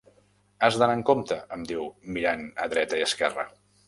Has d'anar en compte —em diu, mirant a dreta i esquerra.